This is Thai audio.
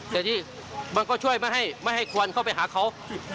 แต่นี่มันก็ช่วยไม่ให้ควรเข้าไปหาเขา